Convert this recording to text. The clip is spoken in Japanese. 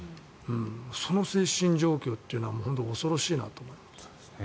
その精神状況というのは本当に恐ろしいなと思います。